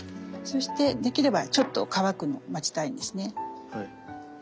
そしてできればちょっと乾くのを待ちたいんですね。